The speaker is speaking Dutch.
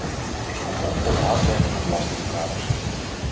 Ik kom op voor de hardwerkende belastingbetalers.